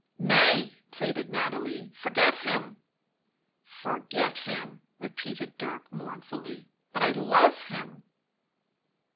" Nay," pleaded Nathalie, " forget him." " Forget him!" repeated Dirk mournfully. "But I love him."